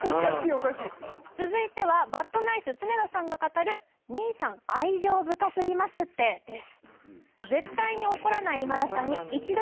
おかしい続いてはバッドナイス常田さんが語る「兄さん愛情深すぎますって」です